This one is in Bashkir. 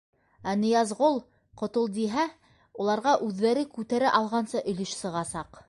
Ә Ныязғол ҡотолдиһә, уларға үҙҙәре күтәрә алғанса өлөш сығасаҡ.